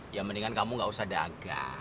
ya mendingan kamu gak usah dagang